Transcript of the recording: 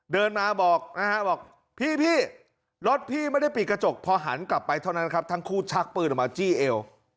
เดินมาบอกนะฮะบอกพี่รถพี่ไม่ได้ปิดกระจกพอหันกลับไปเท่านั้นครับทั้งคู่ชักปืนออกมาจี้เอว